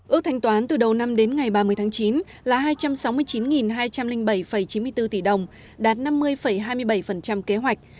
ước thanh toán từ đầu năm đến ngày ba mươi tháng chín là hai trăm sáu mươi chín hai trăm linh bảy chín mươi bốn tỷ đồng đạt năm mươi hai mươi bảy kế hoạch